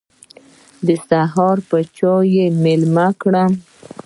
د سهار پر چايو مېلمه کړم.